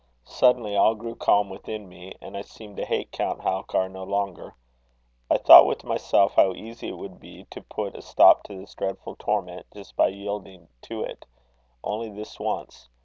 Suddenly all grew calm within me, and I seemed to hate Count Halkar no longer. I thought with myself how easy it would be to put a stop to this dreadful torment, just by yielding to it only this once.